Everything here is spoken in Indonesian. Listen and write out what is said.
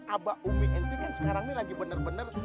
abah umi ente kan sekarang ini lagi bener bener